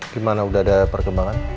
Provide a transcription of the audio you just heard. gimana udah ada perkembangan